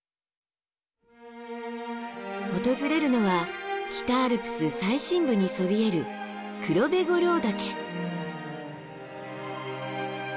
訪れるのは北アルプス最深部にそびえる黒部五郎岳。